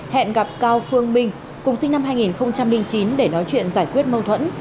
hẹn gặp cao phương minh cùng sinh năm hai nghìn chín để nói chuyện giải quyết mâu thuẫn